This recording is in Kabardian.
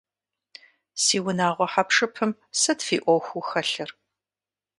Си унагъуэ хьэпшыпым сыт фи Ӏуэхуу хэлъыр?